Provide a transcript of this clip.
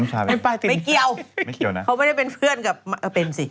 ไม่เกี่ยวนะเขาไม่ได้เป็นเพื่อนกับเป็นสิ